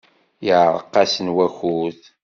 Yeɛreq-asen wakud.